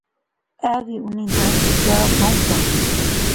ایہہ وی انیں دائیں کیا بہوں سا